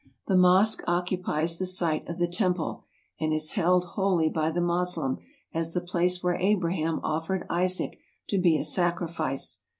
The mosque occupies the site of the Temple, and is held holy by the Moslem as the place where Abraham offered Isaac to be a sacrifice.